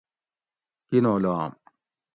کینو لام